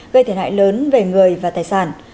gây thiệt hại lớn về người và tài sản